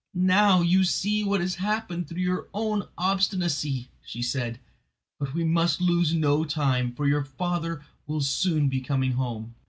"Now you see what has happened through your own obstinacy," said she; "but we must lose no time, for your father will soon be coming home."